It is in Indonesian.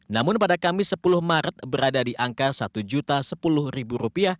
namun pada kamis sepuluh maret berada di angka rp satu sepuluh